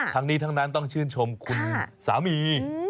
ทั้งนี้ทั้งนั้นต้องชื่นชมคุณสามี